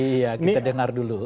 iya kita dengar dulu